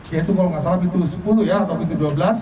yaitu kalau nggak salah pintu sepuluh ya atau pintu dua belas